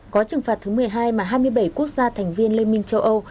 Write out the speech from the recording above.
có trừng phạt thứ một mươi hai mà hai mươi bảy quốc gia thành viên liên minh châu âu